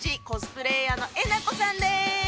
コスプレイヤーのえなこさんです。